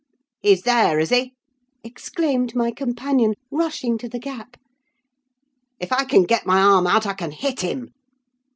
"'He's there, is he?' exclaimed my companion, rushing to the gap. 'If I can get my arm out I can hit him!